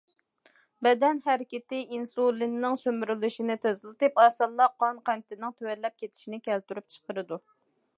بەدەن ھەرىكىتى ئىنسۇلىننىڭ سۈمۈرۈلۈشىنى تېزلىتىپ، ئاسانلا قان قەنتىنىڭ تۆۋەنلەپ كېتىشىنى كەلتۈرۈپ چىقىرىدۇ.